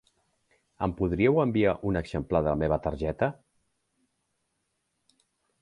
Em podríeu enviar un exemplar de la meva targeta?